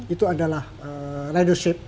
itu adalah ridership